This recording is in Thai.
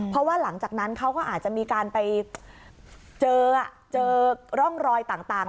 เพราะว่าหลังจากนั้นเขาก็อาจจะมีการไปเจอเจอร่องรอยต่าง